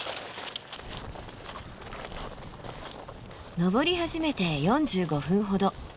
登り始めて４５分ほど。